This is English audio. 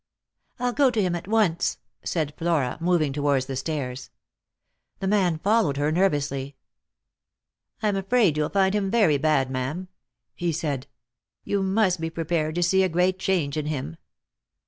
" I'll go to him at once," said Flora, moving towards the stairs. The man followed her nervously. "I'm afraid you'll find him very bad, ma'am," he said. " You must be prepared to see a great change in him."